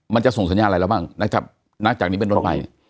มันจะส่งสัญญาณอะไรแล้วบ้างนะครับแน็ตนี่เป็นโน้นใบ